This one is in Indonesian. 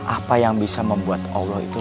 apa yang bisa membuat allah itu